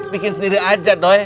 bikin sendiri saja doi